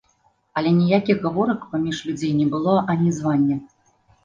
Але ніякіх гаворак паміж людзей не было анізвання.